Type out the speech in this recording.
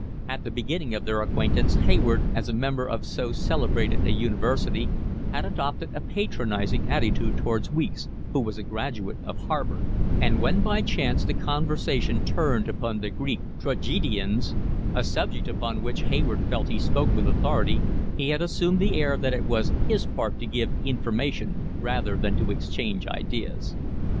At the beginning of their acquaintance Hayward, as a member of so celebrated a university, had adopted a patronising attitude towards Weeks, who was a graduate of Harvard; and when by chance the conversation turned upon the Greek tragedians, a subject upon which Hayward felt he spoke with authority, he had assumed the air that it was his part to give information rather than to exchange ideas.